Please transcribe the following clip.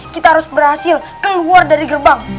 kita harus berhasil keluar dari gerbang